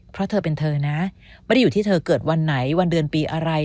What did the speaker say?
เพราะเธอเป็นเธอนะไม่ได้อยู่ที่เธอเกิดวันไหนวันเดือนปีอะไร